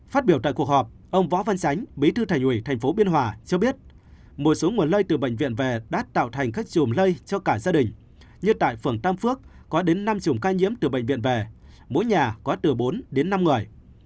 phát biểu tại cuộc họp ông võ văn sánh bí thư thành ủy tp biên hòa cho biết một số nguồn lây từ bệnh viện về đã tạo thành khách chùm lây cho cả gia đình như tại phường tam phước có đến năm chùm ca nhiễm từ bệnh viện về mỗi nhà có từ bốn đến năm người